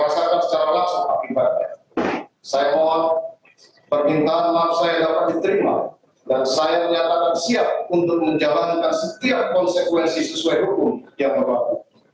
saya mohon permintaan maaf saya dapat diterima dan saya menyatakan siap untuk menjalankan setiap konsekuensi sesuai hukum yang berlaku